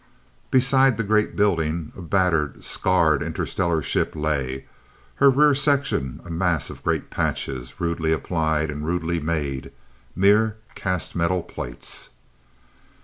Beside the great buildings, a battered, scarred interstellar ship lay, her rear section a mass of great patches, rudely applied, and rudely made, mere cast metal plates.